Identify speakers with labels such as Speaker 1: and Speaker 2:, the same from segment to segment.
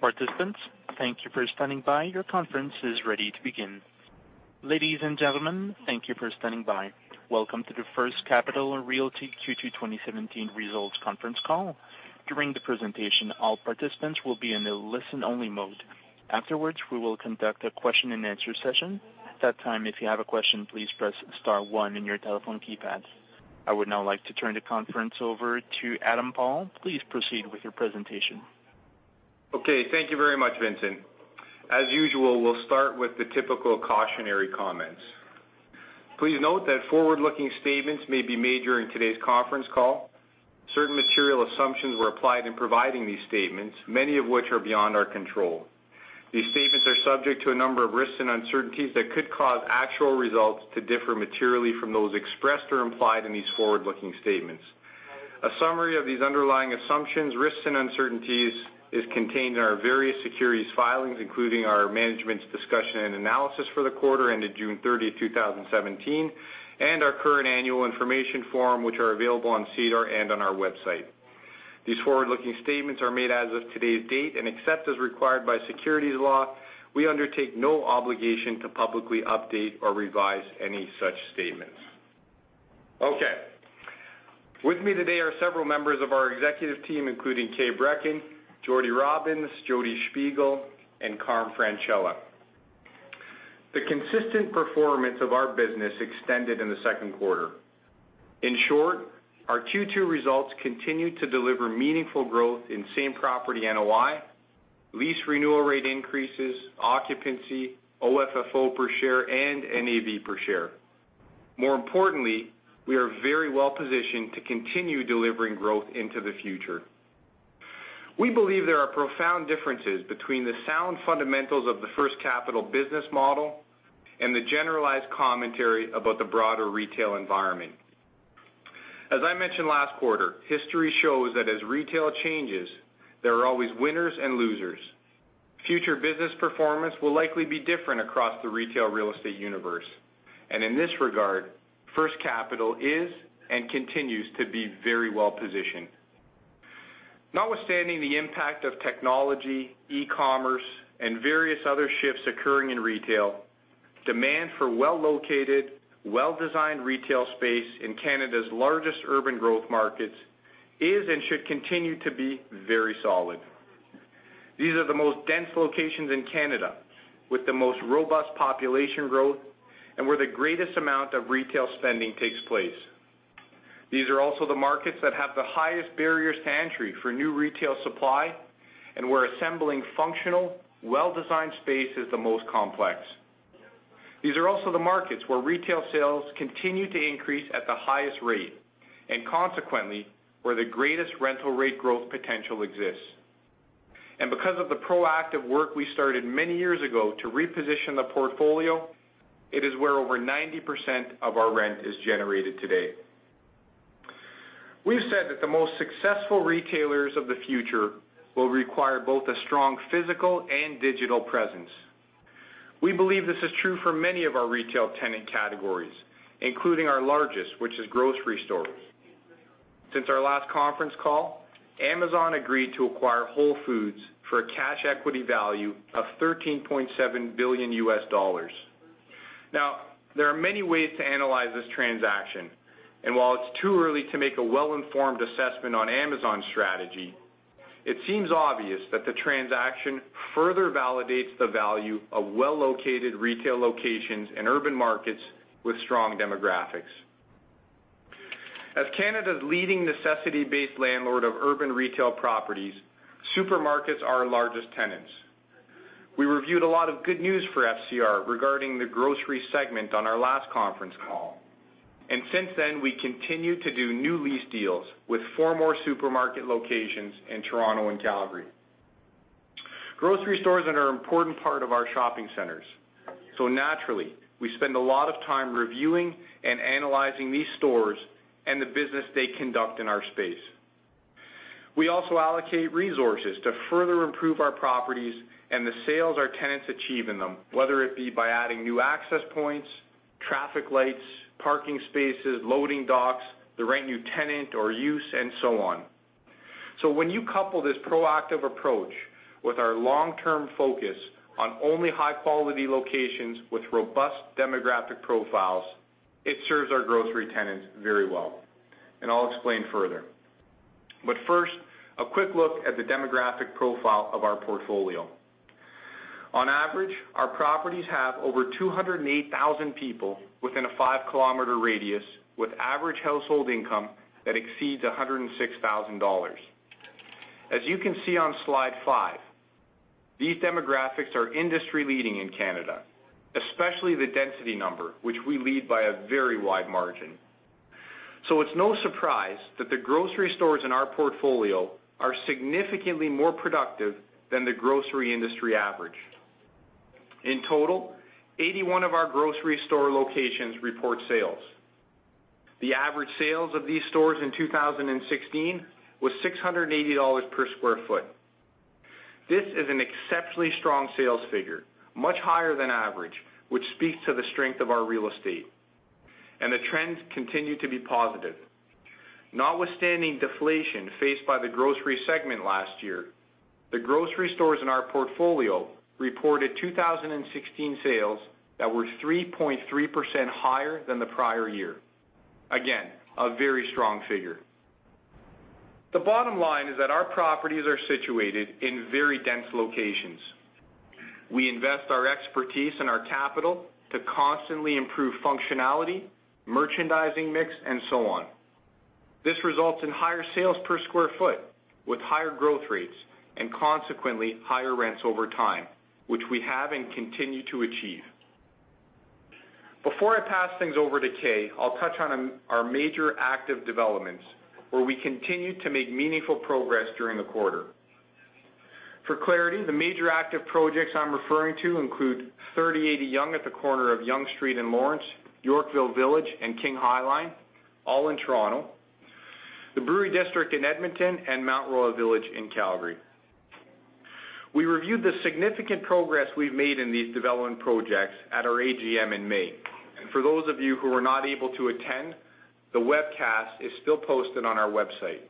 Speaker 1: All participants, thank you for standing by. Your conference is ready to begin. Ladies and gentlemen, thank you for standing by. Welcome to the First Capital Realty Q2 2017 Results Conference Call. During the presentation, all participants will be in a listen-only mode. Afterwards, we will conduct a question and answer session. At that time, if you have a question, please press star one in your telephone keypad. I would now like to turn the conference over to Adam Paul. Please proceed with your presentation.
Speaker 2: Okay. Thank you very much, Vincent. As usual, we'll start with the typical cautionary comments. Please note that forward-looking statements may be made during today's conference call. Certain material assumptions were applied in providing these statements, many of which are beyond our control. These statements are subject to a number of risks and uncertainties that could cause actual results to differ materially from those expressed or implied in these forward-looking statements. A summary of these underlying assumptions, risks, and uncertainties is contained in our various securities filings, including our Management's Discussion and Analysis for the quarter ended June 30th, 2017, and our current annual information form, which are available on SEDAR and on our website. These forward-looking statements are made as of today's date. Except as required by securities law, we undertake no obligation to publicly update or revise any such statements. Okay. With me today are several members of our executive team, including Kay Brekken, Jordy Robbins, Jodi Shpigel, and Carm Francella. The consistent performance of our business extended in the second quarter. In short, our Q2 results continued to deliver meaningful growth in same property NOI, lease renewal rate increases, occupancy, OFFO per share, and NAV per share. More importantly, we are very well-positioned to continue delivering growth into the future. We believe there are profound differences between the sound fundamentals of the First Capital business model and the generalized commentary about the broader retail environment. As I mentioned last quarter, history shows that as retail changes, there are always winners and losers. Future business performance will likely be different across the retail real estate universe. In this regard, First Capital is and continues to be very well-positioned. Notwithstanding the impact of technology, e-commerce, and various other shifts occurring in retail, demand for well-located, well-designed retail space in Canada's largest urban growth markets is and should continue to be very solid. These are the most dense locations in Canada, with the most robust population growth and where the greatest amount of retail spending takes place. These are also the markets that have the highest barriers to entry for new retail supply and where assembling functional, well-designed space is the most complex. These are also the markets where retail sales continue to increase at the highest rate, and consequently, where the greatest rental rate growth potential exists. Because of the proactive work we started many years ago to reposition the portfolio, it is where over 90% of our rent is generated today. We've said that the most successful retailers of the future will require both a strong physical and digital presence. We believe this is true for many of our retail tenant categories, including our largest, which is grocery stores. Since our last conference call, Amazon agreed to acquire Whole Foods for a cash equity value of $13.7 billion. There are many ways to analyze this transaction, and while it's too early to make a well-informed assessment on Amazon's strategy, it seems obvious that the transaction further validates the value of well-located retail locations in urban markets with strong demographics. As Canada's leading necessity-based landlord of urban retail properties, supermarkets are our largest tenants. We reviewed a lot of good news for FCR regarding the grocery segment on our last conference call. Since then, we continued to do new lease deals with four more supermarket locations in Toronto and Calgary. Grocery stores are an important part of our shopping centers. Naturally, we spend a lot of time reviewing and analyzing these stores and the business they conduct in our space. We also allocate resources to further improve our properties and the sales our tenants achieve in them, whether it be by adding new access points, traffic lights, parking spaces, loading docks, the right new tenant or use, and so on. When you couple this proactive approach with our long-term focus on only high-quality locations with robust demographic profiles, it serves our grocery tenants very well. I'll explain further. First, a quick look at the demographic profile of our portfolio. On average, our properties have over 208,000 people within a five-kilometer radius, with average household income that exceeds 106,000 dollars. As you can see on slide five, these demographics are industry-leading in Canada, especially the density number, which we lead by a very wide margin. It's no surprise that the grocery stores in our portfolio are significantly more productive than the grocery industry average. In total, 81 of our grocery store locations report sales. The average sales of these stores in 2016 was 680 dollars per square foot. This is an exceptionally strong sales figure, much higher than average, which speaks to the strength of our real estate. The trends continue to be positive. Notwithstanding deflation faced by the grocery segment last year, the grocery stores in our portfolio reported 2016 sales that were 3.3% higher than the prior year. Again, a very strong figure. The bottom line is that our properties are situated in very dense locations. We invest our expertise and our capital to constantly improve functionality, merchandising mix, and so on. This results in higher sales per square foot with higher growth rates, and consequently, higher rents over time, which we have and continue to achieve. Before I pass things over to Kay, I'll touch on our major active developments, where we continued to make meaningful progress during the quarter. For clarity, the major active projects I'm referring to include 3080 Yonge at the corner of Yonge Street and Lawrence, Yorkville Village, and King High Line, all in Toronto, the Brewery District in Edmonton, and Mount Royal Village in Calgary. We reviewed the significant progress we've made in these development projects at our AGM in May. For those of you who were not able to attend, the webcast is still posted on our website.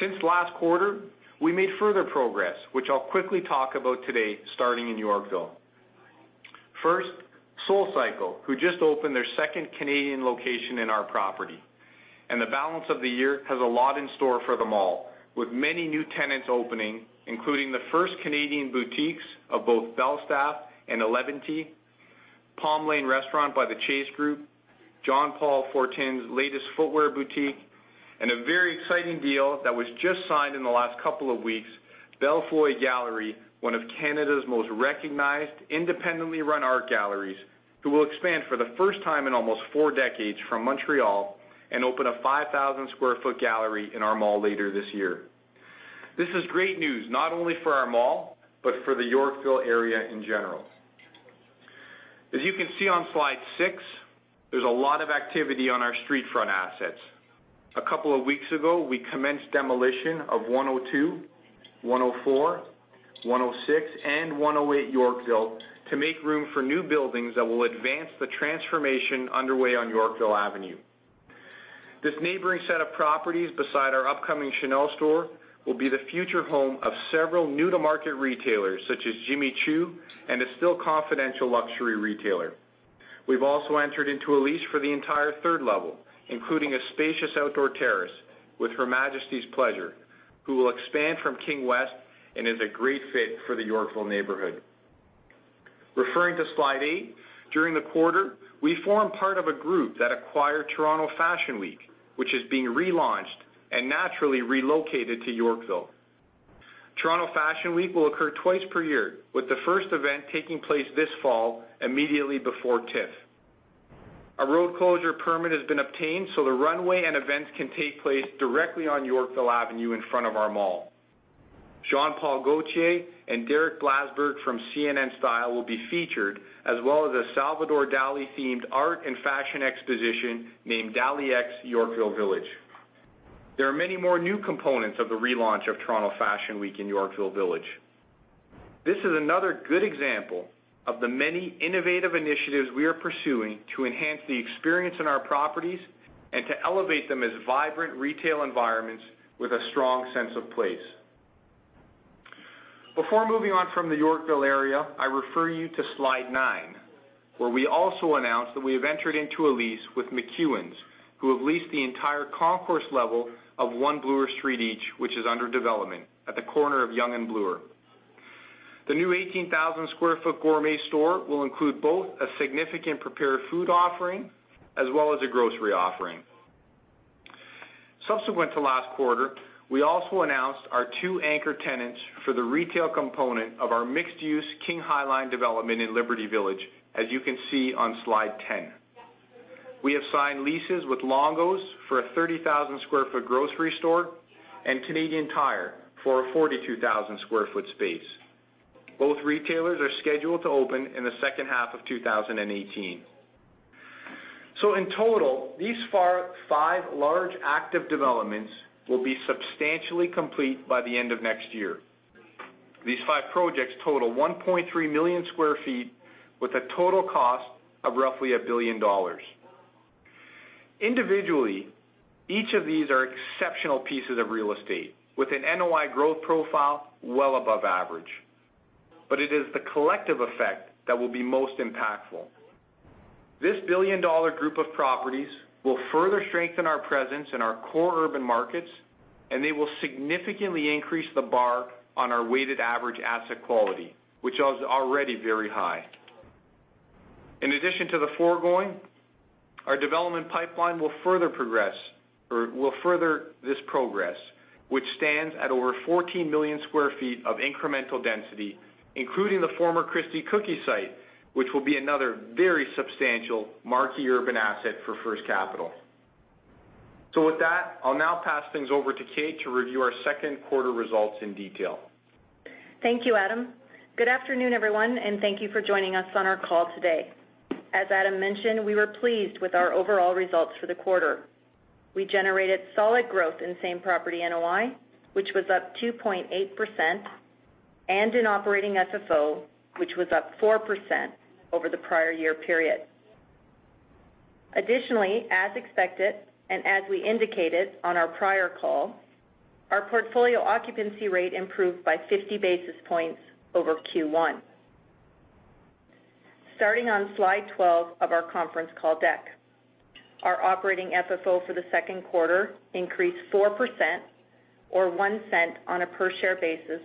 Speaker 2: Since last quarter, we made further progress, which I will quickly talk about today, starting in Yorkville. First, SoulCycle, who just opened their second Canadian location in our property. The balance of the year has a lot in store for the mall, with many new tenants opening, including the first Canadian boutiques of both Belstaff and Eleventy, Palm Lane Restaurant by the Chase Hospitality Group, Jean-Paul Fortin’s latest footwear boutique, and a very exciting deal that was just signed in the last couple of weeks, Galerie de Bellefeuille, one of Canada’s most recognized, independently run art galleries, who will expand for the first time in almost four decades from Montreal and open a 5,000 sq ft gallery in our mall later this year. This is great news, not only for our mall, but for the Yorkville area in general. As you can see on slide six, there is a lot of activity on our street front assets. A couple of weeks ago, we commenced demolition of 102, 104, 106, and 108 Yorkville to make room for new buildings that will advance the transformation underway on Yorkville Avenue. This neighboring set of properties beside our upcoming Chanel store will be the future home of several new-to-market retailers, such as Jimmy Choo and a still confidential luxury retailer. We have also entered into a lease for the entire third level, including a spacious outdoor terrace, with Her Majesty’s Pleasure, who will expand from King West and is a great fit for the Yorkville neighborhood. Referring to slide eight, during the quarter, we formed part of a group that acquired Toronto Fashion Week, which is being relaunched and naturally relocated to Yorkville. Toronto Fashion Week will occur twice per year, with the first event taking place this fall immediately before TIFF. A road closure permit has been obtained so the runway and events can take place directly on Yorkville Avenue in front of our mall. Jean Paul Gaultier and Derek Blasberg from CNN Style will be featured, as well as a Salvador Dalí-themed art and fashion exposition named Dalí X Yorkville Village. There are many more new components of the relaunch of Toronto Fashion Week in Yorkville Village. This is another good example of the many innovative initiatives we are pursuing to enhance the experience in our properties and to elevate them as vibrant retail environments with a strong sense of place. Before moving on from the Yorkville area, I refer you to slide nine, where we also announced that we have entered into a lease with McEwan, who have leased the entire concourse level of One Bloor Street East, which is under development at the corner of Yonge and Bloor. The new 18,000 sq ft gourmet store will include both a significant prepared food offering as well as a grocery offering. Subsequent to last quarter, we also announced our two anchor tenants for the retail component of our mixed-use King High Line development in Liberty Village, as you can see on slide 10. We have signed leases with Longo’s for a 30,000 sq ft grocery store and Canadian Tire for a 42,000 sq ft space. Both retailers are scheduled to open in the second half of 2018. In total, these 5 large active developments will be substantially complete by the end of next year. These 5 projects total 1.3 million sq ft with a total cost of roughly 1 billion dollars. Individually, each of these are exceptional pieces of real estate, with an NOI growth profile well above average. It is the collective effect that will be most impactful. This 1 billion group of properties will further strengthen our presence in our core urban markets, and they will significantly increase the bar on our weighted average asset quality, which is already very high. In addition to the foregoing, our development pipeline will further progress, or will further this progress, which stands at over 14 million sq ft of incremental density, including the former Christie Cookie site, which will be another very substantial marquee urban asset for First Capital. With that, I'll now pass things over to Kay to review our second quarter results in detail.
Speaker 3: Thank you, Adam. Good afternoon, everyone, and thank you for joining us on our call today. As Adam mentioned, we were pleased with our overall results for the quarter. We generated solid growth in Same-Property NOI, which was up 2.8%. In Operating FFO, which was up 4% over the prior year period. Additionally, as expected, and as we indicated on our prior call, our portfolio occupancy rate improved by 50 basis points over Q1. Starting on slide 12 of our conference call deck. Our Operating FFO for the second quarter increased 4%, or 0.01 on a per share basis,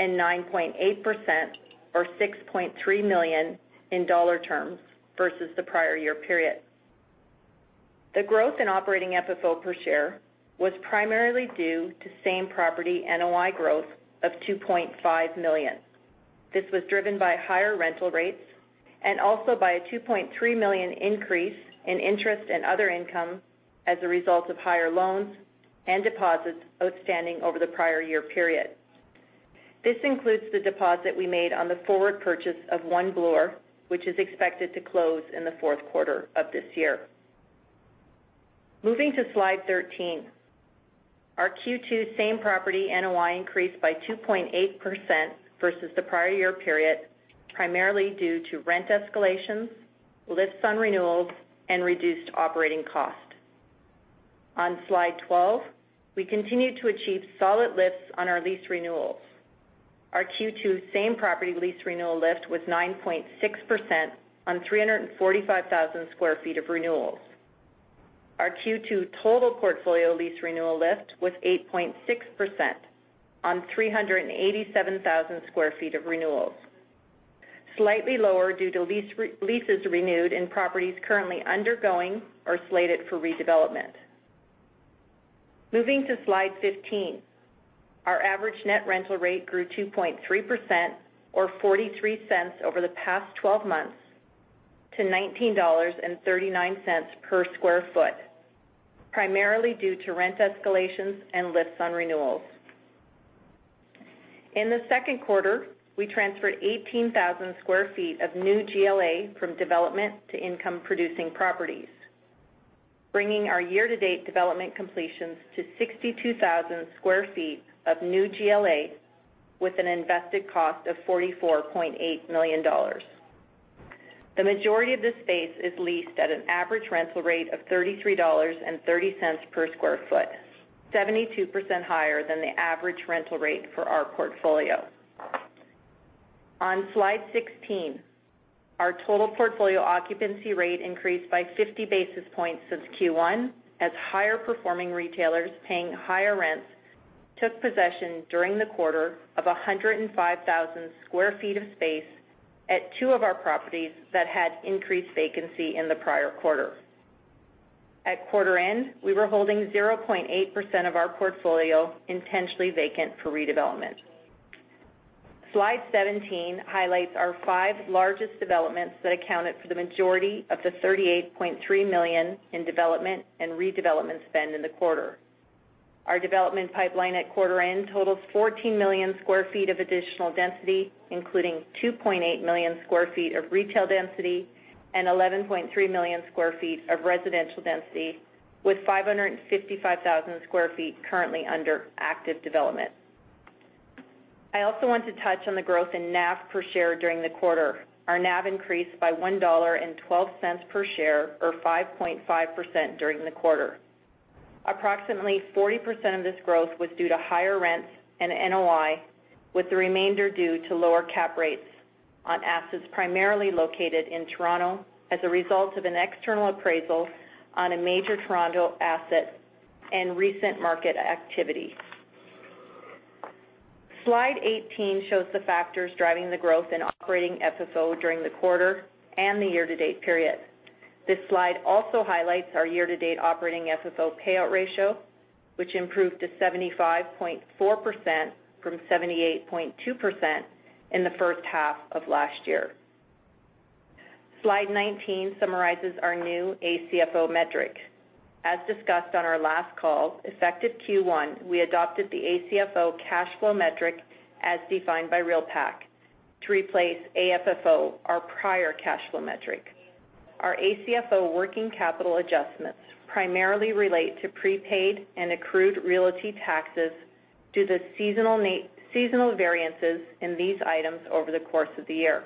Speaker 3: and 9.8%, or 6.3 million dollar versus the prior year period. The growth in Operating FFO per share was primarily due to Same-Property NOI growth of 2.5 million. This was driven by higher rental rates and also by a 2.3 million increase in interest and other income as a result of higher loans and deposits outstanding over the prior year period. This includes the deposit we made on the forward purchase of One Bloor, which is expected to close in the fourth quarter of this year. Moving to slide 13. Our Q2 Same-Property NOI increased by 2.8% versus the prior year period, primarily due to rent escalations, lifts on renewals, and reduced operating cost. On slide 12, we continued to achieve solid lifts on our lease renewals. Our Q2 Same-Property lease renewal lift was 9.6% on 345,000 sq ft of renewals. Our Q2 total portfolio lease renewal lift was 8.6% on 387,000 sq ft of renewals. Slightly lower due to leases renewed in properties currently undergoing or slated for redevelopment. Moving to slide 15. Our average net rental rate grew 2.3%, or 0.43 over the past 12 months to 19.39 dollars per square foot, primarily due to rent escalations and lifts on renewals. In the second quarter, we transferred 18,000 square feet of new GLA from development to income-producing properties, bringing our year-to-date development completions to 62,000 square feet of new GLA with an invested cost of 44.8 million dollars. The majority of this space is leased at an average rental rate of 33.30 dollars per square foot, 72% higher than the average rental rate for our portfolio. On slide 16, our total portfolio occupancy rate increased by 50 basis points since Q1 as higher-performing retailers paying higher rents took possession during the quarter of 105,000 square feet of space at two of our properties that had increased vacancy in the prior quarter. At quarter end, we were holding 0.8% of our portfolio intentionally vacant for redevelopment. Slide 17 highlights our five largest developments that accounted for the majority of the 38.3 million in development and redevelopment spend in the quarter. Our development pipeline at quarter end totals 14 million square feet of additional density, including 2.8 million square feet of retail density and 11.3 million square feet of residential density, with 555,000 square feet currently under active development. I also want to touch on the growth in NAV per share during the quarter. Our NAV increased by 1.12 dollar per share, or 5.5%, during the quarter. Approximately 40% of this growth was due to higher rents and NOI, with the remainder due to lower Cap rates on assets primarily located in Toronto as a result of an external appraisal on a major Toronto asset and recent market activity. Slide 18 shows the factors driving the growth in operating FFO during the quarter and the year-to-date period. This slide also highlights our year-to-date operating FFO payout ratio, which improved to 75.4% from 78.2% in the first half of last year. Slide 19 summarizes our new ACFO metric. As discussed on our last call, effective Q1, we adopted the ACFO cash flow metric as defined by RealPAC to replace AFFO, our prior cash flow metric. Our ACFO working capital adjustments primarily relate to prepaid and accrued realty taxes due to seasonal variances in these items over the course of the year.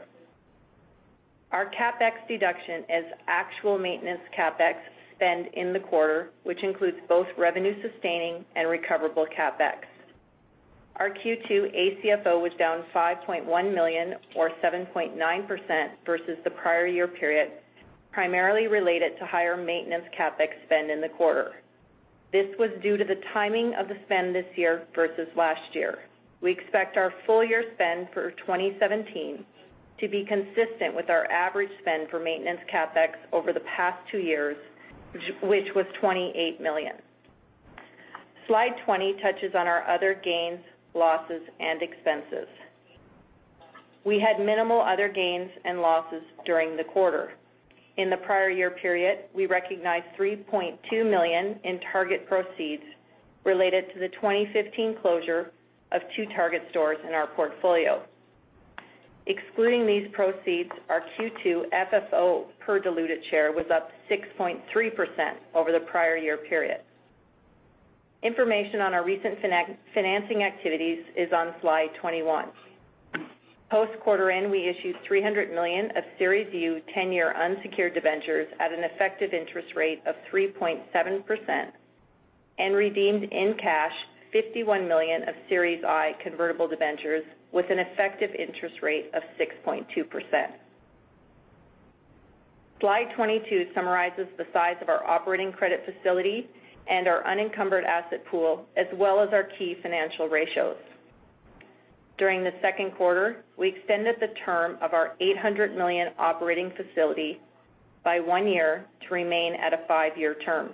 Speaker 3: Our CapEx deduction is actual maintenance CapEx spend in the quarter, which includes both revenue-sustaining and recoverable CapEx. Our Q2 ACFO was down 5.1 million, or 7.9%, versus the prior year period, primarily related to higher maintenance CapEx spend in the quarter. This was due to the timing of the spend this year versus last year. We expect our full year spend for 2017 to be consistent with our average spend for maintenance CapEx over the past two years, which was 28 million. Slide 20 touches on our other gains, losses, and expenses. We had minimal other gains and losses during the quarter. In the prior year period, we recognized 3.2 million in Target proceeds related to the 2015 closure of two Target stores in our portfolio. Excluding these proceeds, our Q2 FFO per diluted share was up 6.3% over the prior year period. Information on our recent financing activities is on slide 21. Post quarter end, we issued 300 million of Series U 10-year unsecured debentures at an effective interest rate of 3.7% and redeemed in cash 51 million of Series I convertible debentures with an effective interest rate of 6.2%. Slide 22 summarizes the size of our operating credit facility and our unencumbered asset pool, as well as our key financial ratios. During the second quarter, we extended the term of our 800 million operating facility by one year to remain at a five-year term.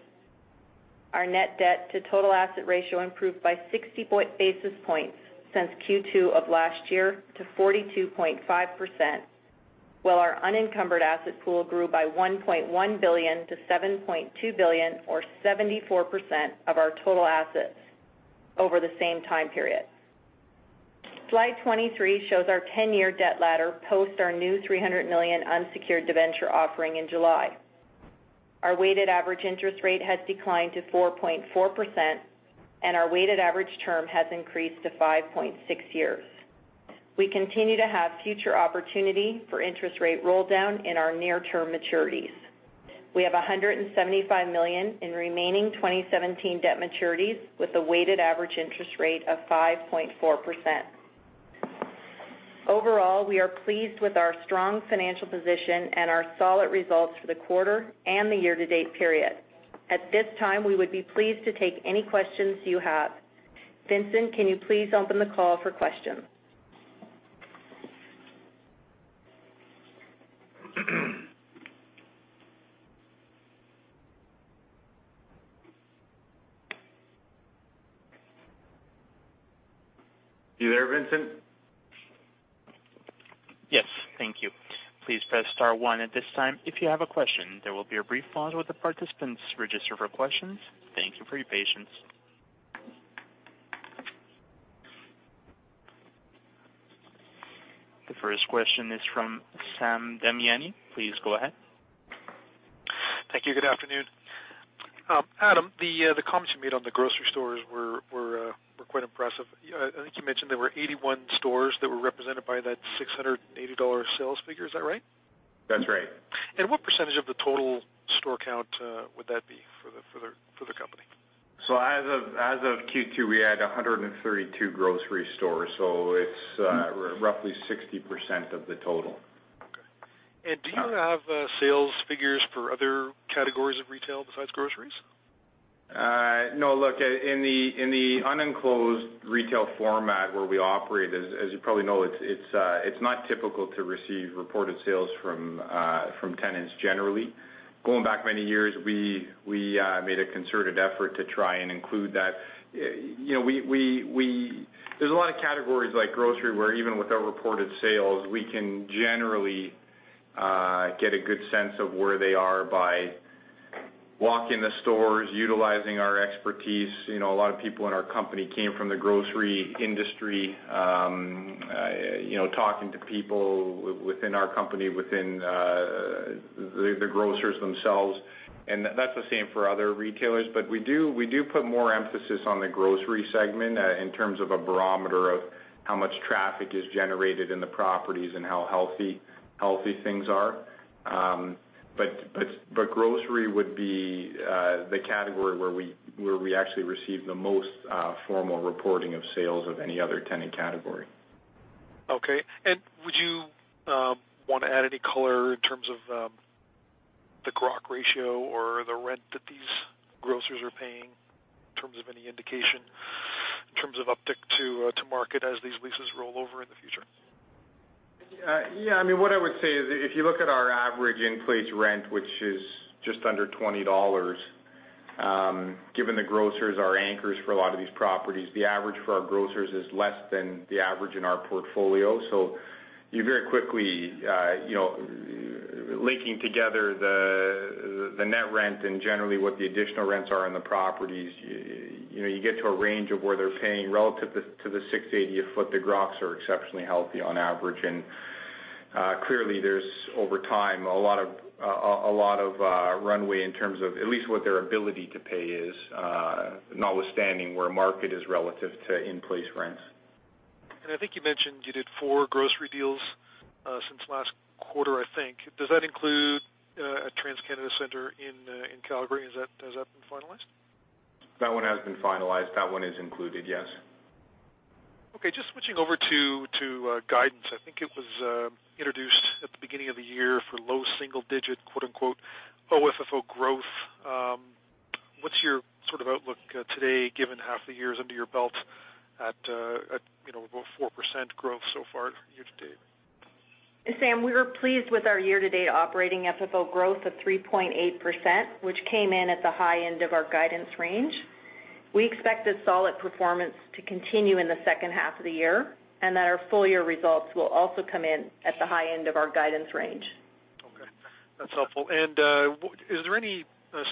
Speaker 3: Our net debt to total asset ratio improved by 60 basis points since Q2 of last year to 42.5%, while our unencumbered asset pool grew by 1.1 billion to 7.2 billion or 74% of our total assets over the same time period. Slide 23 shows our 10-year debt ladder post our new 300 million unsecured debenture offering in July. Our weighted average interest rate has declined to 4.4%, and our weighted average term has increased to 5.6 years. We continue to have future opportunity for interest rate roll down in our near-term maturities. We have 175 million in remaining 2017 debt maturities with a weighted average interest rate of 5.4%. Overall, we are pleased with our strong financial position and our solid results for the quarter and the year-to-date period. At this time, we would be pleased to take any questions you have. Vincent, can you please open the call for questions?
Speaker 2: You there, Vincent?
Speaker 1: Yes, thank you. Please press star one at this time if you have a question. There will be a brief pause while the participants register for questions. Thank you for your patience. The first question is from Sam Damiani. Please go ahead.
Speaker 4: Thank you. Good afternoon. Adam, the comments you made on the grocery stores were quite impressive. I think you mentioned there were 81 stores that were represented by that 680 dollar sales figure. Is that right?
Speaker 2: That's right.
Speaker 4: What % of the total store count would that be for the company?
Speaker 2: As of Q2, we had 132 grocery stores, it's roughly 60% of the total.
Speaker 4: Okay. Do you have sales figures for other categories of retail besides groceries?
Speaker 2: No. Look, in the unenclosed retail format where we operate, as you probably know, it's not typical to receive reported sales from tenants generally. Going back many years, we made a concerted effort to try and include that. There's a lot of categories like grocery, where even without reported sales, we can generally get a good sense of where they are by walking the stores, utilizing our expertise. A lot of people in our company came from the grocery industry, talking to people within our company, within the grocers themselves, and that's the same for other retailers. We do put more emphasis on the grocery segment in terms of a barometer of how much traffic is generated in the properties and how healthy things are. Grocery would be the category where we actually receive the most formal reporting of sales of any other tenant category.
Speaker 4: Okay. Would you want to add any color in terms of the groc ratio or the rent that these grocers are paying in terms of any indication, in terms of uptick to market as these leases roll over in the future?
Speaker 2: Yeah. What I would say is, if you look at our average in-place rent, which is just under 20 dollars, given the grocers are anchors for a lot of these properties, the average for our grocers is less than the average in our portfolio. You very quickly, linking together the net rent and generally what the additional rents are in the properties, you get to a range of where they're paying relative to the 680 a foot. The grocs are exceptionally healthy on average, and clearly there's, over time, a lot of runway in terms of at least what their ability to pay is, notwithstanding where market is relative to in-place rents.
Speaker 4: I think you mentioned you did four grocery deals since last quarter, I think. Does that include a TransCanada Centre in Calgary? Has that been finalized?
Speaker 2: That one has been finalized. That one is included, yes.
Speaker 4: Just switching over to guidance. I think it was introduced at the beginning of the year for low single digit, quote unquote, OFFO growth. What is your sort of outlook today, given half the year is under your belt at about 4% growth so far year-to-date?
Speaker 3: Sam, we were pleased with our year-to-date operating FFO growth of 3.8%, which came in at the high end of our guidance range. We expect this solid performance to continue in the second half of the year, and that our full-year results will also come in at the high end of our guidance range.
Speaker 4: That's helpful. Is there any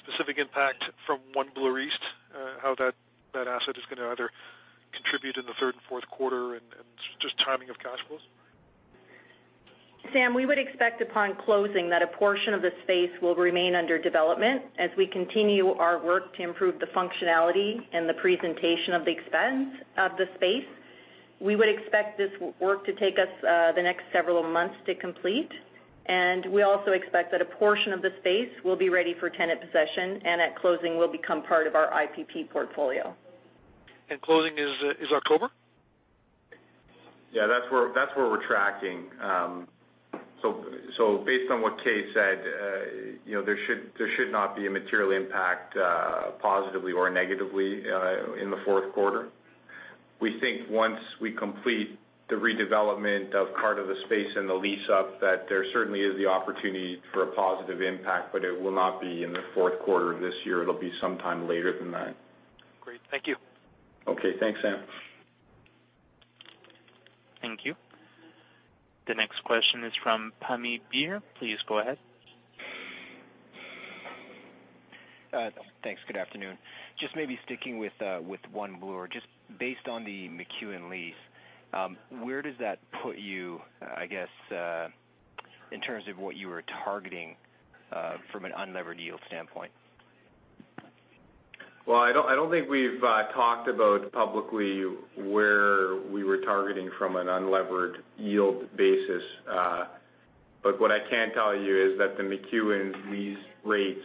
Speaker 4: specific impact from One Bloor East, how that asset is going to either contribute in the third and fourth quarter and just timing of cash flows?
Speaker 3: Sam, we would expect upon closing that a portion of the space will remain under development as we continue our work to improve the functionality and the presentation of the space. We would expect this work to take us the next several months to complete, and we also expect that a portion of the space will be ready for tenant possession, and at closing will become part of our IPP portfolio.
Speaker 4: Closing is October?
Speaker 2: Yeah, that's where we're tracking. Based on what Kay said, there should not be a material impact, positively or negatively, in the fourth quarter. We think once we complete the redevelopment of part of the space and the lease up, that there certainly is the opportunity for a positive impact, but it will not be in the fourth quarter of this year. It'll be sometime later than that.
Speaker 4: Great. Thank you.
Speaker 2: Okay. Thanks, Sam.
Speaker 1: Thank you. The next question is from Pammi Bir. Please go ahead.
Speaker 5: Thanks. Good afternoon. Just maybe sticking with One Bloor. Just based on the McEwan lease, where does that put you, I guess, in terms of what you were targeting, from an unlevered yield standpoint?
Speaker 2: I don't think we've talked about publicly where we were targeting from an unlevered yield basis. What I can tell you is that the McEwan lease rates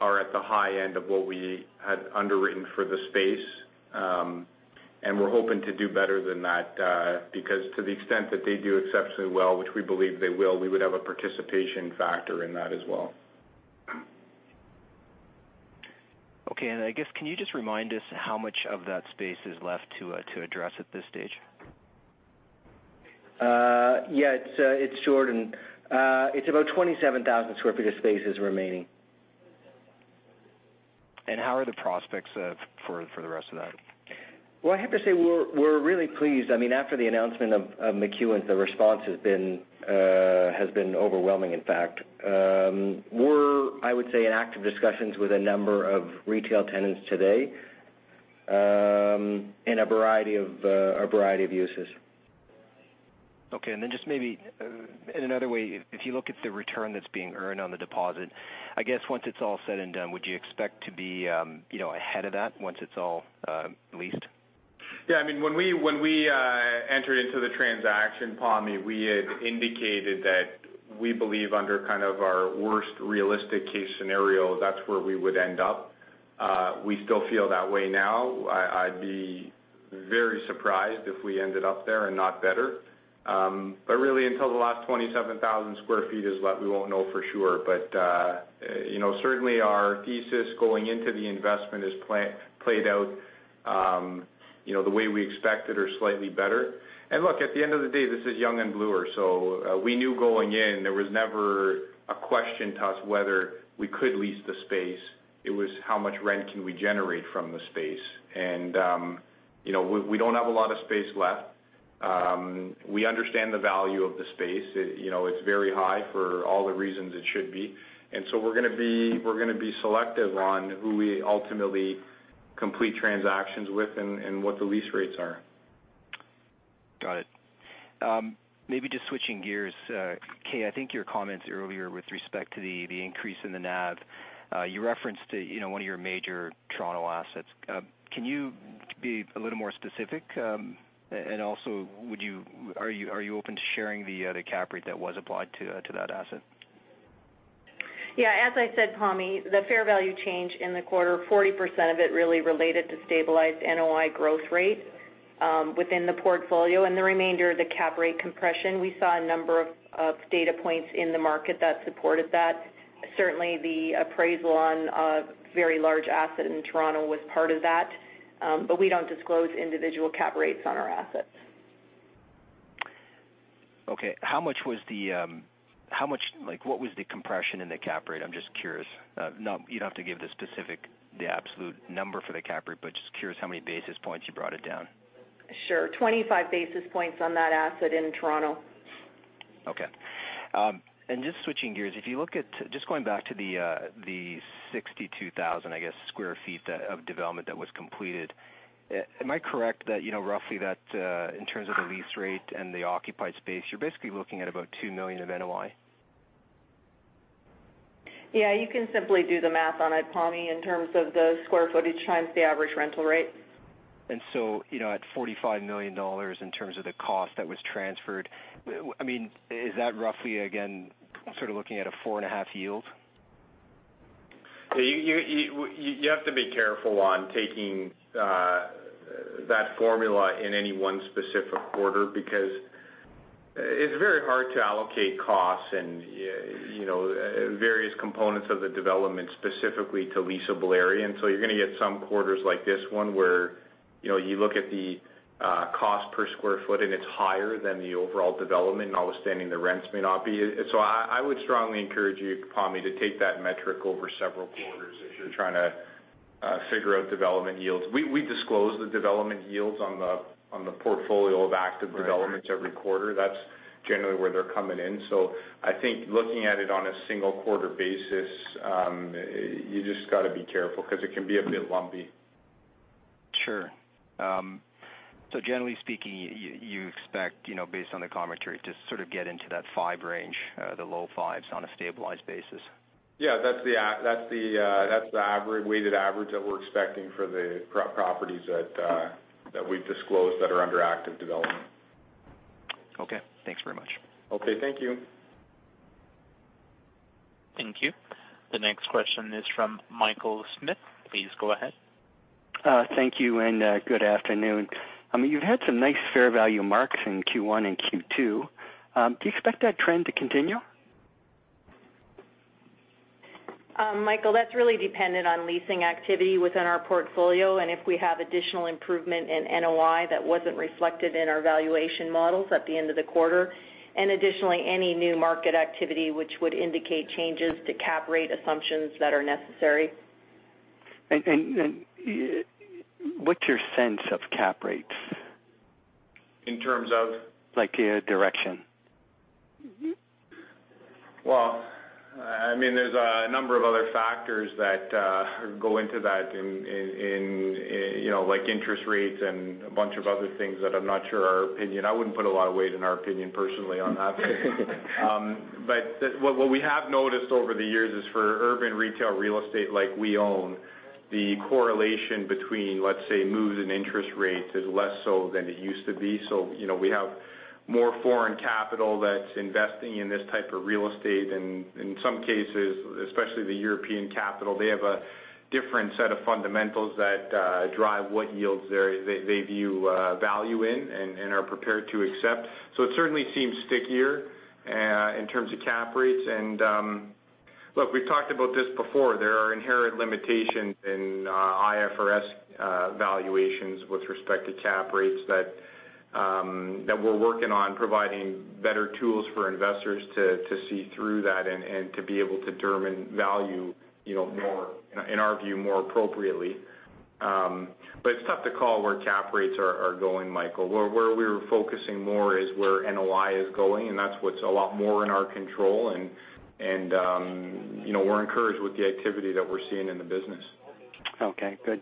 Speaker 2: are at the high end of what we had underwritten for the space. We're hoping to do better than that, because to the extent that they do exceptionally well, which we believe they will, we would have a participation factor in that as well.
Speaker 5: Okay. I guess can you just remind us how much of that space is left to address at this stage?
Speaker 6: Yeah. It's Jordan. It's about 27,000 square feet of space is remaining.
Speaker 5: How are the prospects for the rest of that?
Speaker 6: Well, I have to say, we're really pleased. After the announcement of McEwan, the response has been overwhelming, in fact. We're, I would say, in active discussions with a number of retail tenants today, in a variety of uses.
Speaker 5: Okay. Just maybe, in another way, if you look at the return that's being earned on the deposit, I guess once it's all said and done, would you expect to be ahead of that once it's all leased?
Speaker 2: Yeah. When we entered into the transaction, Pammi, we had indicated that we believe under kind of our worst realistic case scenario, that's where we would end up. We still feel that way now. I'd be very surprised if we ended up there and not better. Really until the last 27,000 square feet is left, we won't know for sure. Certainly our thesis going into the investment has played out the way we expected or slightly better. Look, at the end of the day, this is Yonge and Bloor. We knew going in, there was never a question to us whether we could lease the space. It was how much rent can we generate from the space. We don't have a lot of space left. We understand the value of the space. It's very high for all the reasons it should be. We're going to be selective on who we ultimately complete transactions with and what the lease rates are.
Speaker 5: Got it. Maybe just switching gears. Kay, I think your comments earlier with respect to the increase in the NAV. You referenced one of your major Toronto assets. Can you be a little more specific? Also, are you open to sharing the cap rate that was applied to that asset?
Speaker 3: Yeah. As I said, Pammi, the fair value change in the quarter, 40% of it really related to stabilized NOI growth rate within the portfolio. The remainder, the cap rate compression. We saw a number of data points in the market that supported that. Certainly, the appraisal on a very large asset in Toronto was part of that. We don't disclose individual cap rates on our assets.
Speaker 5: Okay. What was the compression in the cap rate? I'm just curious. You don't have to give the specific, absolute number for the cap rate, but just curious how many basis points you brought it down.
Speaker 3: Sure. 25 basis points on that asset in Toronto.
Speaker 5: Okay. Just switching gears, just going back to the 62,000 sq ft of development that was completed. Am I correct that roughly that, in terms of the lease rate and the occupied space, you're basically looking at about 2 million of NOI?
Speaker 3: Yeah, you can simply do the math on it, Pammi, in terms of the square footage times the average rental rate.
Speaker 5: At 45 million dollars in terms of the cost that was transferred. Is that roughly, again, sort of looking at a four-and-a-half yield?
Speaker 2: You have to be careful on taking that formula in any one specific quarter because it's very hard to allocate costs and various components of the development specifically to leasable area. You're going to get some quarters like this one where you look at the cost per sq ft and it's higher than the overall development, notwithstanding the rents may not be. I would strongly encourage you, Pammi, to take that metric over several quarters if you're trying to figure out development yields. We disclose the development yields on the portfolio of active developments every quarter. That's generally where they're coming in. I think looking at it on a single-quarter basis, you just got to be careful because it can be a bit lumpy.
Speaker 5: Sure. Generally speaking, you expect, based on the commentary, to sort of get into that five range, the low fives, on a stabilized basis.
Speaker 2: Yeah. That's the weighted average that we're expecting for the properties that we've disclosed that are under active development.
Speaker 5: Okay. Thanks very much.
Speaker 2: Okay. Thank you.
Speaker 1: Thank you. The next question is from Michael Smith. Please go ahead.
Speaker 7: Thank you, and good afternoon. You've had some nice fair value marks in Q1 and Q2. Do you expect that trend to continue?
Speaker 3: Michael, that's really dependent on leasing activity within our portfolio and if we have additional improvement in NOI that wasn't reflected in our valuation models at the end of the quarter. Additionally, any new market activity, which would indicate changes to cap rate assumptions that are necessary.
Speaker 7: What's your sense of cap rates?
Speaker 2: In terms of?
Speaker 7: Like, direction.
Speaker 2: Well, there's a number of other factors that go into that, like interest rates and a bunch of other things that I'm not sure are opinion. I wouldn't put a lot of weight in our opinion personally on that. What we have noticed over the years is for urban retail real estate like we own, the correlation between, let's say, moves in interest rates is less so than it used to be. We have more foreign capital that's investing in this type of real estate, and in some cases, especially the European capital, they have a different set of fundamentals that drive what yields they view value in and are prepared to accept. It certainly seems stickier in terms of cap rates. Look, we've talked about this before. There are inherent limitations in IFRS valuations with respect to cap rates that we're working on providing better tools for investors to see through that and to be able to determine value, in our view, more appropriately. It's tough to call where cap rates are going, Michael. Where we're focusing more is where NOI is going, and that's what's a lot more in our control, and we're encouraged with the activity that we're seeing in the business.
Speaker 7: Okay, good.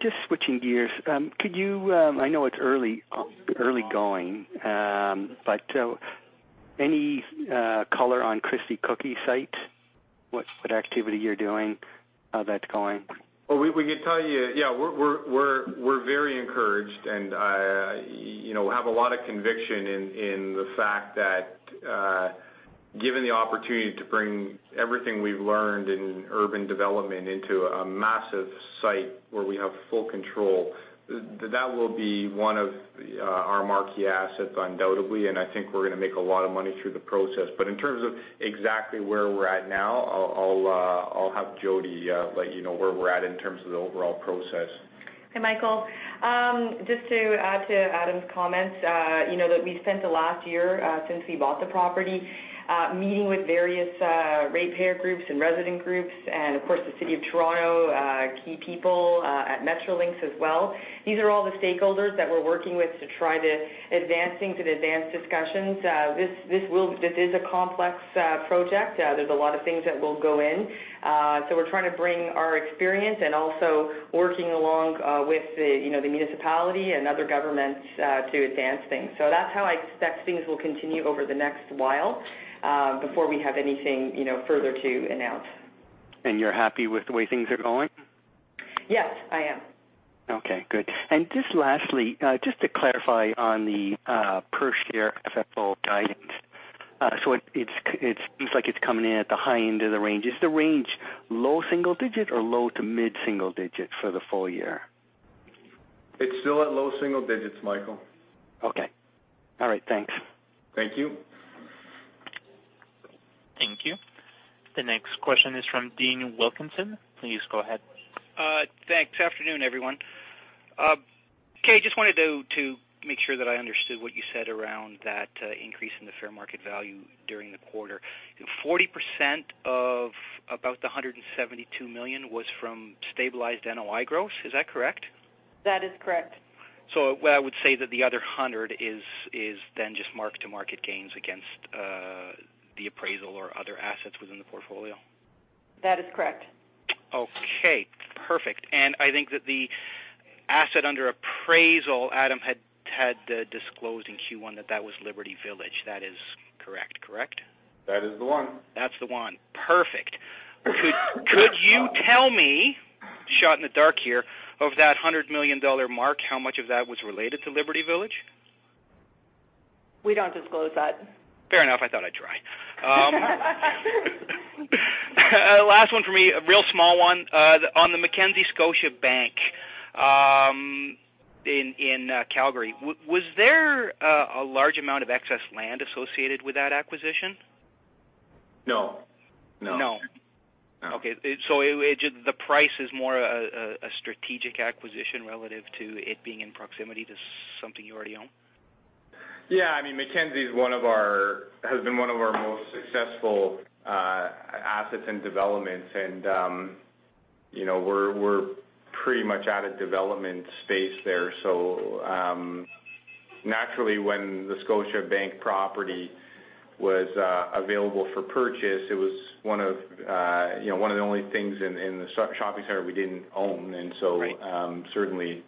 Speaker 7: Just switching gears. I know it's early going, but any color on Christie Cookie site, what activity you're doing, how that's going?
Speaker 2: Well, we can tell you, we're very encouraged, and have a lot of conviction in the fact that given the opportunity to bring everything we've learned in urban development into a massive site where we have full control, that will be one of our marquee assets, undoubtedly, and I think we're going to make a lot of money through the process. In terms of exactly where we're at now, I'll have Jodi let you know where we're at in terms of the overall process.
Speaker 8: Hi, Michael. Just to add to Adam's comments, that we spent the last year, since we bought the property, meeting with various rate payer groups and resident groups and, of course, the City of Toronto, key people at Metrolinx as well. These are all the stakeholders that we're working with to try to advancing to the advanced discussions. This is a complex project. There's a lot of things that will go in. We're trying to bring our experience and also working along, with the municipality and other governments to advance things. That's how I expect things will continue over the next while, before we have anything further to announce.
Speaker 7: You're happy with the way things are going?
Speaker 8: Yes, I am.
Speaker 7: Okay, good. Just lastly, just to clarify on the per-share FFO guidance. It seems like it's coming in at the high end of the range. Is the range low single digit or low to mid single digit for the full year?
Speaker 2: It's still at low single digits, Michael.
Speaker 7: Okay. All right. Thanks.
Speaker 2: Thank you.
Speaker 1: Thank you. The next question is from Dean Wilkinson. Please go ahead.
Speaker 9: Thanks. Afternoon, everyone. Kay, just wanted to make sure that I understood what you said around that increase in the fair market value during the quarter. 40% of about the 172 million was from stabilized NOI growth. Is that correct?
Speaker 3: That is correct.
Speaker 9: I would say that the other 100 is just mark-to-market gains against the appraisal or other assets within the portfolio.
Speaker 3: That is correct.
Speaker 9: Okay, perfect. I think that the asset under appraisal, Adam had disclosed in Q1 that that was Liberty Village. That is correct. Correct?
Speaker 2: That is the one.
Speaker 9: That's the one. Perfect. Could you tell me, shot in the dark here, of that 100 million dollar mark, how much of that was related to Liberty Village?
Speaker 3: We don't disclose that.
Speaker 9: Fair enough. I thought I'd try. Last one for me, a real small one. On the McKenzie Towne Centre, in Calgary, was there a large amount of excess land associated with that acquisition?
Speaker 2: No.
Speaker 9: No.
Speaker 2: No.
Speaker 9: Okay. The price is more a strategic acquisition relative to it being in proximity to something you already own?
Speaker 2: Yeah, McKenzie has been one of our most successful assets and developments, and we're pretty much out of development space there. Naturally, when the Scotiabank property was available for purchase, it was one of the only things in the shopping center we didn't own.
Speaker 8: Right. Certainly,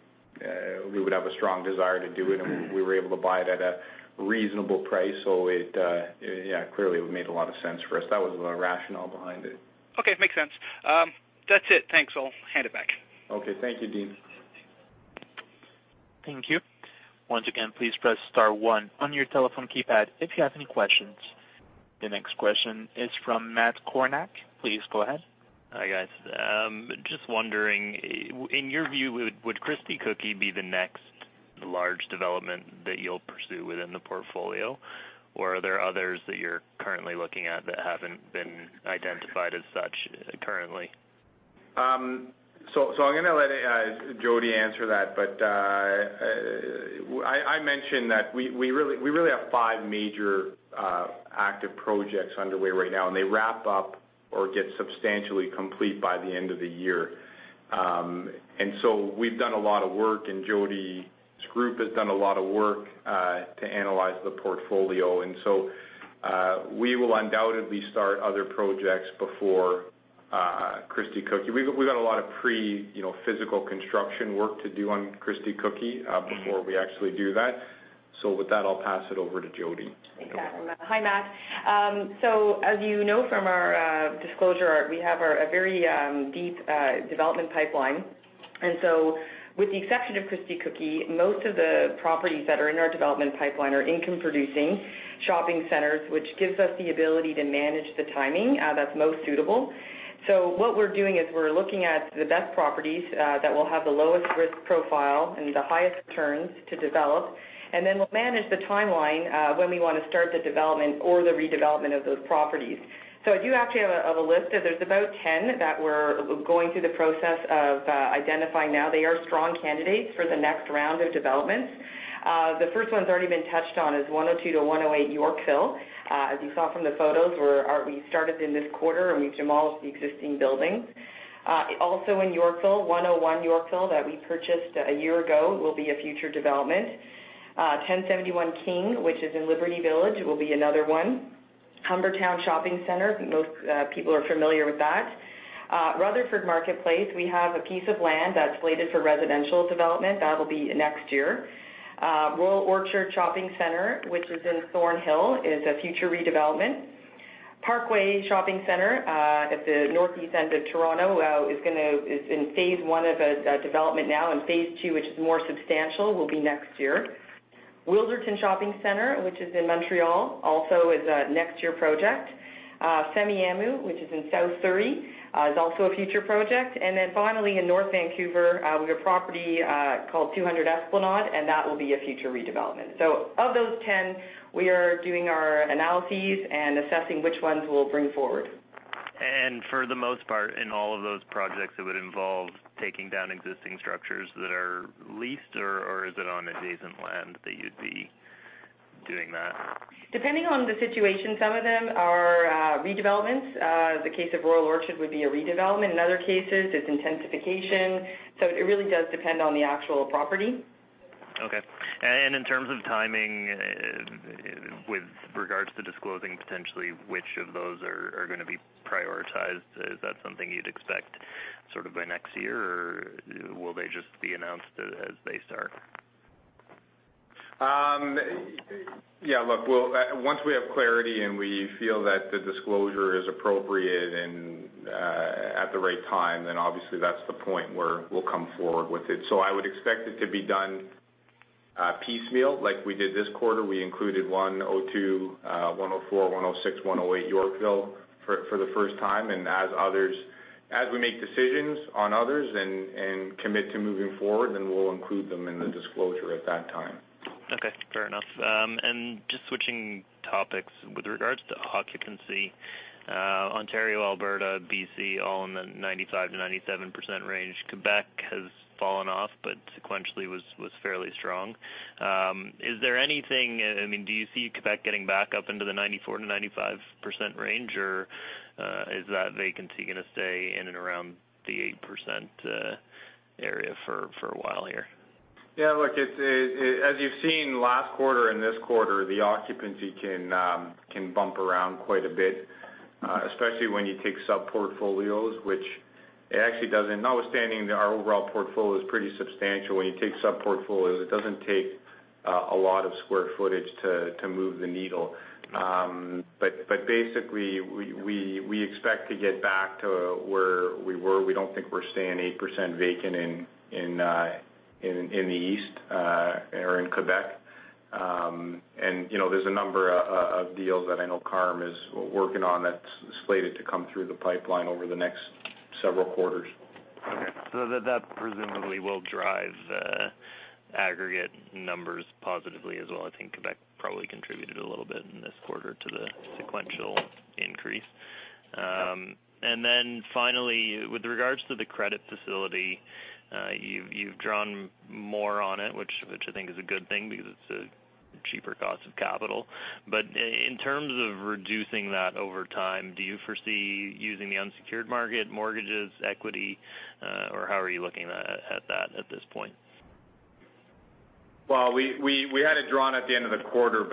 Speaker 8: we would have a strong desire to do it, and we were able to buy it at a reasonable price, yeah, clearly it made a lot of sense for us. That was the rationale behind it.
Speaker 9: Okay. Makes sense. That's it. Thanks, I'll hand it back.
Speaker 2: Okay. Thank you, Dean.
Speaker 1: Thank you. Once again, please press *1 on your telephone keypad if you have any questions. The next question is from Matt Kornack. Please go ahead.
Speaker 10: Hi, guys. Just wondering, in your view, would Christie Cookie be the next large development that you'll pursue within the portfolio? Or are there others that you're currently looking at that haven't been identified as such currently?
Speaker 2: I'm going to let Jodi answer that, but I mentioned that we really have five major, active projects underway right now, and they wrap up or get substantially complete by the end of the year. We've done a lot of work, and Jodi's group has done a lot of work, to analyze the portfolio. We will undoubtedly start other projects before Christie Cookie. We've got a lot of pre-physical construction work to do on Christie Cookie before we actually do that. With that, I'll pass it over to Jodi.
Speaker 8: Thanks, Adam. Hi, Matt. As you know from our disclosure art, we have a very deep development pipeline. With the exception of Christie Cookie, most of the properties that are in our development pipeline are income-producing shopping centers, which gives us the ability to manage the timing that's most suitable. What we're doing is we're looking at the best properties that will have the lowest risk profile and the highest returns to develop, and then we'll manage the timeline, when we want to start the development or the redevelopment of those properties. I do actually have a list of, there's about 10 that we're going through the process of identifying now. They are strong candidates for the next round of developments. The first one's already been touched on, is 102 to 108 Yorkville. As you saw from the photos, we started in this quarter, and we've demolished the existing buildings. Also in Yorkville, 101 Yorkville that we purchased a year ago, will be a future development. 1071 King, which is in Liberty Village, will be another one. Humbertown Shopping Centre, most people are familiar with that. Rutherford Marketplace, we have a piece of land that's slated for residential development. That'll be next year. Royal Orchard Shopping Center, which is in Thornhill, is a future redevelopment. Parkway Shopping Center, at the northeast end of Toronto, is in phase 1 of a development now, and phase 2, which is more substantial, will be next year. Wilderton Shopping Center, which is in Montreal, also is a next year project. Semiahmoo, which is in South Surrey, is also a future project. Finally, in North Vancouver, we have a property, called 200 Esplanade, and that will be a future redevelopment. Of those 10, we are doing our analyses and assessing which ones we'll bring forward.
Speaker 10: For the most part, in all of those projects, it would involve taking down existing structures that are leased, or is it on adjacent land that you'd be doing that?
Speaker 8: Depending on the situation, some of them are redevelopments. The case of Royal Orchard would be a redevelopment. In other cases, it's intensification. It really does depend on the actual property.
Speaker 10: Okay. In terms of timing, with regards to disclosing potentially which of those are going to be prioritized, is that something you'd expect sort of by next year, or will they just be announced as they start?
Speaker 2: Yeah, look, once we have clarity and we feel that the disclosure is appropriate and at the right time, then obviously that's the point where we'll come forward with it. I would expect it to be done piecemeal, like we did this quarter. We included 102, 104, 106, 108 Yorkville for the first time. As we make decisions on others and commit to moving forward, then we'll include them in the disclosure at that time.
Speaker 10: Okay. Fair enough. Just switching topics, with regards to occupancy, Ontario, Alberta, B.C., all in the 95%-97% range. Quebec has fallen off, but sequentially was fairly strong. Is there anything, do you see Quebec getting back up into the 94%-95% range, or is that vacancy going to stay in and around the 8% area for a while here?
Speaker 2: Yeah, look, as you've seen last quarter and this quarter, the occupancy can bump around quite a bit. Especially when you take sub-portfolios, notwithstanding our overall portfolio is pretty substantial. When you take sub-portfolios, it doesn't take a lot of square footage to move the needle. Basically, we expect to get back to where we were. We don't think we're staying 8% vacant in the East, or in Quebec. There's a number of deals that I know Carm is working on that's slated to come through the pipeline over the next several quarters.
Speaker 10: That presumably will drive aggregate numbers positively as well. I think Quebec probably contributed a little quarter to the sequential increase. Finally, with regards to the credit facility, you've drawn more on it, which I think is a good thing because it's a cheaper cost of capital. In terms of reducing that over time, do you foresee using the unsecured market, mortgages, equity, or how are you looking at that at this point?
Speaker 2: We had it drawn at the end of the quarter,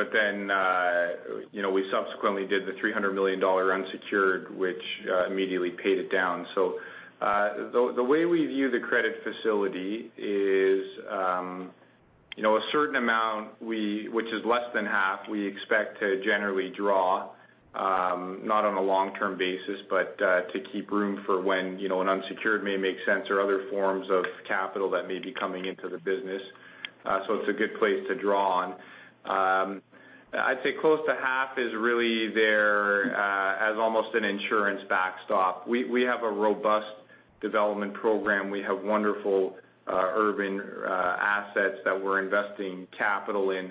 Speaker 2: we subsequently did the 300 million dollar unsecured, which immediately paid it down. The way we view the credit facility is a certain amount, which is less than half, we expect to generally draw, not on a long-term basis, but to keep room for when an unsecured may make sense or other forms of capital that may be coming into the business. It's a good place to draw on. I'd say close to half is really there as almost an insurance backstop. We have a robust development program. We have wonderful urban assets that we're investing capital in.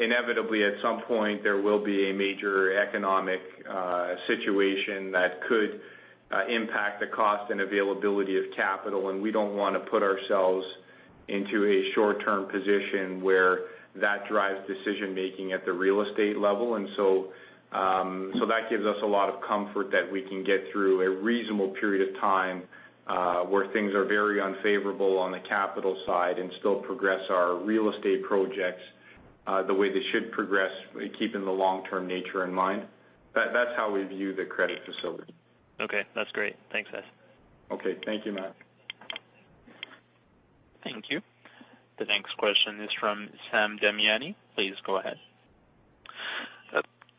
Speaker 2: Inevitably, at some point, there will be a major economic situation that could impact the cost and availability of capital, we don't want to put ourselves into a short-term position where that drives decision-making at the real estate level. That gives us a lot of comfort that we can get through a reasonable period of time, where things are very unfavorable on the capital side and still progress our real estate projects, the way they should progress, keeping the long-term nature in mind. That's how we view the credit facility.
Speaker 10: Okay. That's great. Thanks, guys.
Speaker 2: Okay. Thank you, Matt.
Speaker 1: Thank you. The next question is from Sam Damiani. Please go ahead.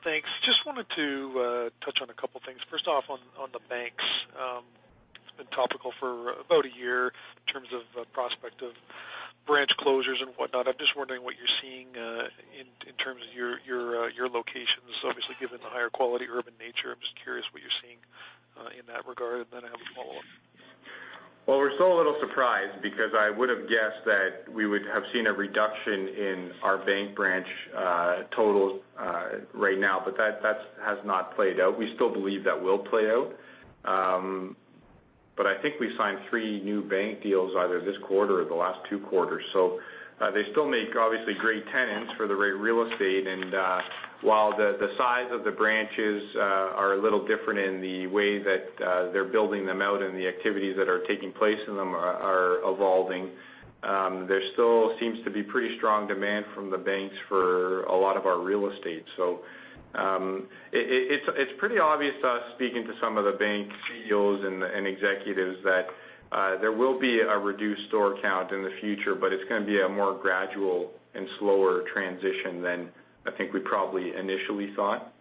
Speaker 4: Thanks. Just wanted to touch on a couple things. First off, on the banks. It's been topical for about a year in terms of the prospect of branch closures and whatnot. I'm just wondering what you're seeing in terms of your locations. Obviously, given the higher quality urban nature, I'm just curious what you're seeing in that regard, and then I have a follow-up.
Speaker 2: Well, we're still a little surprised because I would've guessed that we would have seen a reduction in our bank branch totals right now, that has not played out. We still believe that will play out. I think we signed three new bank deals either this quarter or the last two quarters. They still make, obviously, great tenants for the right real estate and while the size of the branches are a little different in the way that they're building them out and the activities that are taking place in them are evolving, there still seems to be pretty strong demand from the banks for a lot of our real estate. It's pretty obvious to us, speaking to some of the bank CEOs and executives, that there will be a reduced store count in the future, it's going to be a more gradual and slower transition than I think we probably initially thought.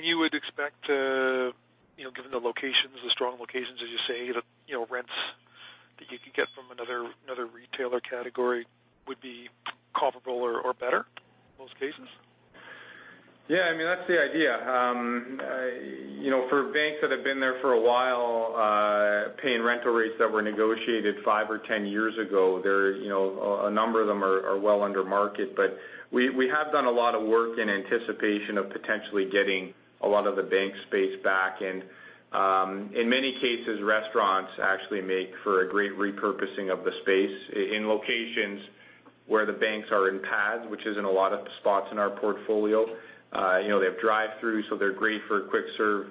Speaker 4: You would expect to, given the strong locations, as you say, the rents that you could get from another retailer category would be comparable or better in those cases?
Speaker 2: Yeah, that's the idea. For banks that have been there for a while, paying rental rates that were negotiated five or 10 years ago, a number of them are well under market. We have done a lot of work in anticipation of potentially getting a lot of the bank space back. In many cases, restaurants actually make for a great repurposing of the space in locations where the banks are in pads, which is in a lot of spots in our portfolio. They have drive-throughs, so they're great for quick-serve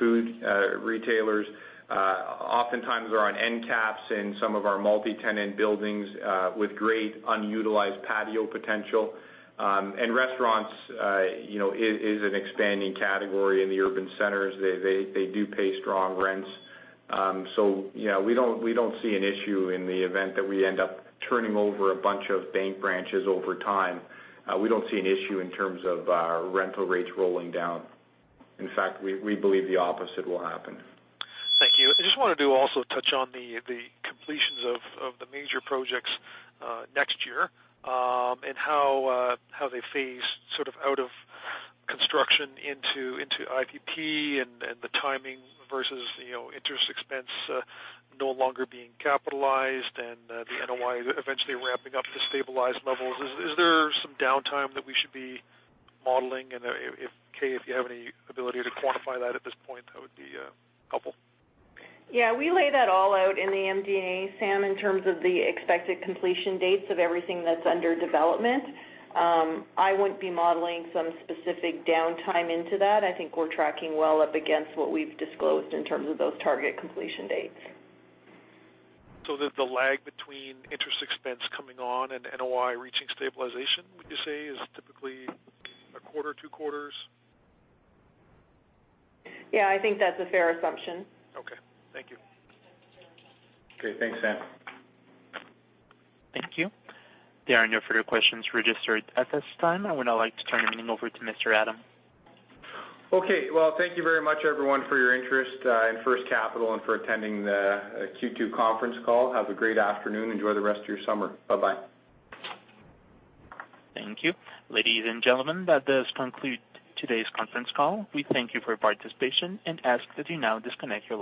Speaker 2: food retailers. Oftentimes, they're on end caps in some of our multi-tenant buildings, with great unutilized patio potential. Restaurants is an expanding category in the urban centers. They do pay strong rents. We don't see an issue in the event that we end up turning over a bunch of bank branches over time. We don't see an issue in terms of rental rates rolling down. In fact, we believe the opposite will happen.
Speaker 4: Thank you. I just wanted to also touch on the completions of the major projects next year, how they phase sort of out of construction into IPP and the timing versus interest expense no longer being capitalized and the NOI eventually ramping up to stabilized levels. Is there some downtime that we should be modeling? And if, Kay, if you have any ability to quantify that at this point, that would be helpful.
Speaker 3: Yeah. We lay that all out in the MD&A, Sam, in terms of the expected completion dates of everything that's under development. I wouldn't be modeling some specific downtime into that. I think we're tracking well up against what we've disclosed in terms of those target completion dates.
Speaker 4: The lag between interest expense coming on and NOI reaching stabilization, would you say, is typically a quarter, two quarters?
Speaker 3: Yeah. I think that's a fair assumption.
Speaker 4: Okay. Thank you.
Speaker 2: Okay. Thanks, Sam.
Speaker 1: Thank you. There are no further questions registered at this time. I would now like to turn the meeting over to Mr. Adam.
Speaker 2: Okay. Well, thank you very much everyone for your interest in First Capital and for attending the Q2 conference call. Have a great afternoon. Enjoy the rest of your summer. Bye-bye.
Speaker 1: Thank you. Ladies and gentlemen, that does conclude today's conference call. We thank you for your participation and ask that you now disconnect your-